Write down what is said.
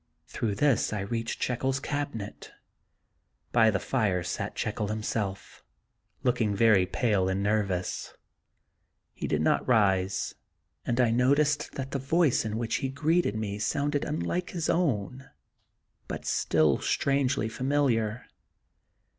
Through this I reached Jekyll's cabinet. By the fire sat Jekyll himself, looking very pale and ner vous. He did not rise, and I noticed that the voice in which he greeted me sounded 14 The Untold Sequel of unlike his own, but still strangely familiar.